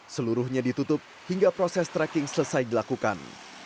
seluruhnya ditutup hingga proses tracking selesai dilakukan